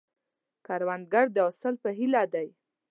کروندګر د حاصل په هیله دی